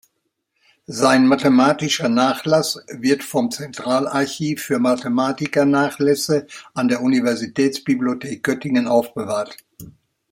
Sein mathematischer Nachlass wird vom Zentralarchiv für Mathematiker-Nachlässe an der Universitätsbibliothek Göttingen aufbewahrt.